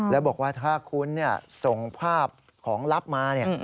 แล้วบอกว่าถ้าคุณส่งภาพของลับมา